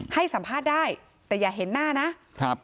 ให้สัมภาษณ์ได้แต่อย่าเห็นหน้านะครับ